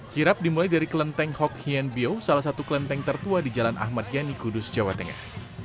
kirap dimulai dari kelenteng hok hien bio salah satu kelenteng tertua di jalan ahmad yani kudus jawa tengah